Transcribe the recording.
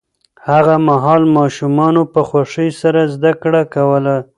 هغه مهال ماشومانو په خوښۍ سره زده کړه کوله.